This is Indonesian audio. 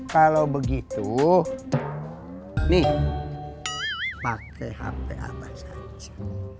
kalau begitu nih pakai hp apa saja